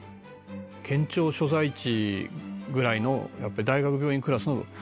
「県庁所在地ぐらいのやっぱり大学病院クラスの施設があった」